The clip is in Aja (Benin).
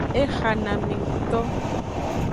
Exanamengto.